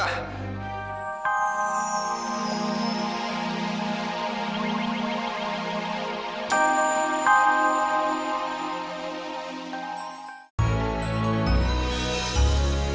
sampai jumpa lagi